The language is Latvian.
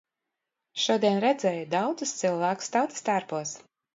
Šodien redzēju daudzus cilvēkus tautastērpos.